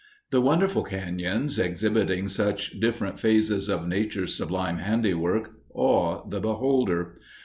The wonderful cañons, exhibiting such different phases of nature's sublime handiwork, awe the beholder.